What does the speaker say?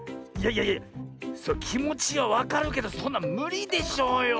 いやいやきもちはわかるけどそんなんむりでしょうよ。